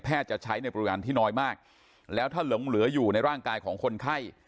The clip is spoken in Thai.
จะใช้ในปริมาณที่น้อยมากแล้วถ้าหลงเหลืออยู่ในร่างกายของคนไข้